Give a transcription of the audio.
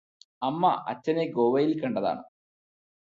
അമ്മ അച്ഛനെ ഗോവയിൽ കണ്ടതാണ്